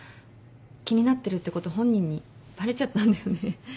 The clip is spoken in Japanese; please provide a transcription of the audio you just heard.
気になってるってこと本人にバレちゃったんだよね。